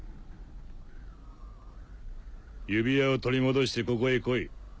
指輪を取り戻してここへ来い。